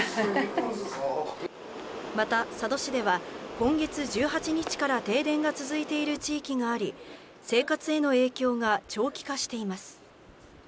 また佐渡市では、今月１８日から停電が続いている地域があり、生活への影響が長期化しています。